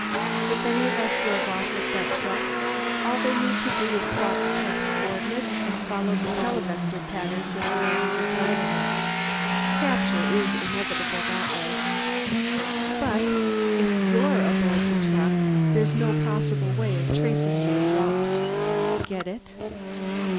If any of us drove off with that truck, all they need to do is plot the truck's coordinates and follow the televector patterns of the man who's driving it. Capture is inevitable that way. But if you're aboard the truck, there's no possible way of tracing your route. Get it?"